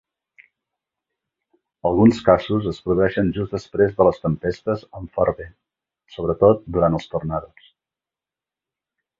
Alguns casos es produeixen just després de les tempestes amb fort vent, sobretot durant els tornados.